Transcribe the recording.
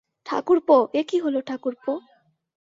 ঠাকুরপো, এ কী হল ঠাকরপো।